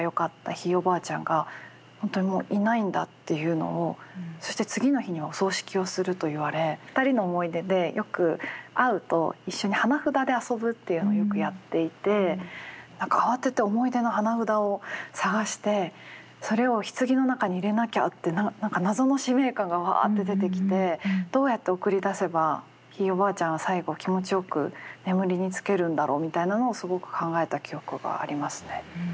ひいおばあちゃんが本当にもういないんだっていうのをそして次の日にお葬式をすると言われ２人の思い出でよく会うと一緒に花札で遊ぶっていうのをよくやっていて何か慌てて思い出の花札を探してそれをひつぎの中に入れなきゃって何か謎の使命感がわって出てきてどうやって送り出せばひいおばあちゃんは最後気持ちよく眠りにつけるんだろうみたいなのをすごく考えた記憶がありますね。